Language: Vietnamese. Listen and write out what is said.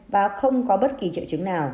và không có bất kỳ triệu chứng nào